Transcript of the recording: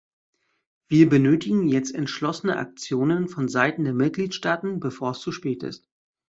Wir benötigen jetzt entschlossene Aktionen von seiten der Mitgliedstaaten, bevor es zu spät ist.